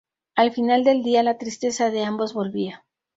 Al final del día, la tristeza de ambos volvía.